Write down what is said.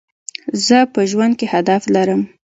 زه په ژوند کي هدف لرم.